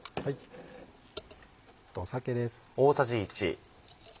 酒です。